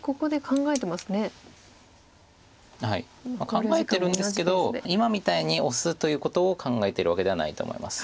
考えてるんですけど今みたいにオスということを考えてるわけではないと思います。